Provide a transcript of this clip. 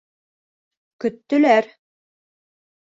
Көттөләр.